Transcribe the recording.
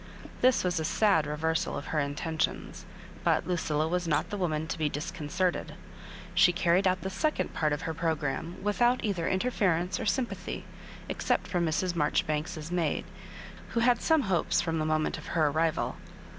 This was a sad reversal of her intentions, but Luciila was not the woman to be disconcerted. She carried out the second part of her programme without either interference or sympathy, except from Mrs. Marjoribanks's maid, who had some hopes from the moment of her arrival.